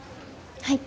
はい